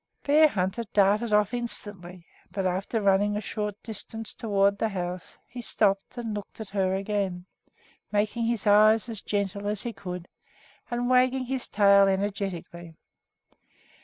Bearhunter darted off instantly; but after running a short distance toward the house he stopped and looked at her again, making his eyes as gentle as he could and wagging his tail energetically.